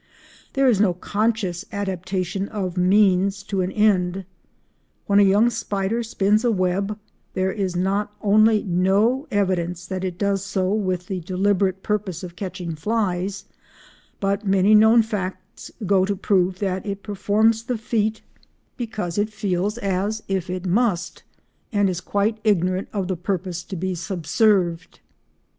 There is no conscious adaptation of means to an end. When a young spider spins a web there is not only no evidence that it does so with the deliberate purpose of catching flies, but many known facts go to prove that it performs the feat, "because it feels as if it must," and is quite ignorant of the purpose to be subserved.